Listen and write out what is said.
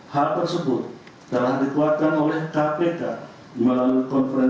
hal tersebut telah dikuatkan oleh kpu dan keternakan dan kesehatan hewan